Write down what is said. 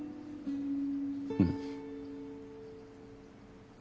うん。